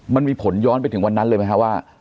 มันมีผลย้อนไปถึงวันนั้นเลยไหมคะว่า